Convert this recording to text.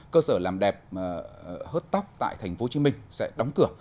cơ sở làm đẹp hớt tóc tại tp hcm sẽ đóng cửa